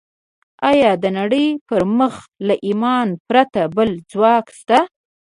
ايا د نړۍ پر مخ له ايمانه پرته بل ځواک شته؟